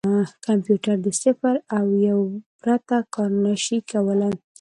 کمپیوټر د صفر او یو پرته کار نه شي کولای.